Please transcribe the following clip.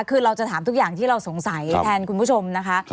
คือเราจะถามทุกอย่างที่เราสงสัยแทนคุณผู้ชมนะคะ